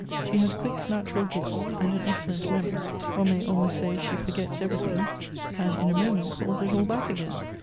She has quick natural gifts, and an excellent memory; one may almost say that she forgets everything, and in a moment calls it .ill back again.